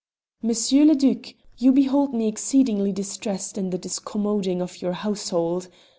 M. le Duc, you behold me exceedingly distressed at the discommoding of your household.